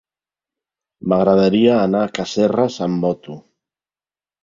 M'agradaria anar a Casserres amb moto.